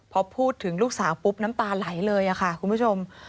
พอพูดถึงลูกสาวปุ๊บน้ำตาไหลเลยค่ะคุณผู้ชม